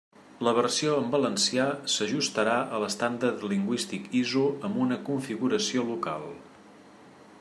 La versió en valencià s'ajustarà a l'estàndard lingüístic ISO amb una configuració local.